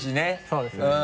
そうですね。